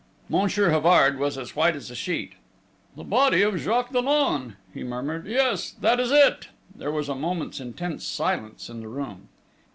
Monsieur Havard was as white as a sheet. "The body of Jacques Dollon," he murmured.... "Yes, that is it!..." There was a moment's intense silence in the room.